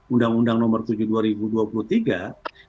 undang undang nomor tujuh dua ribu dua puluh tiga